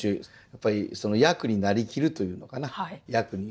やっぱりその役に成りきるというのかな役に。